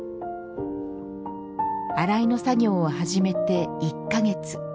洗いの作業を始めて１か月。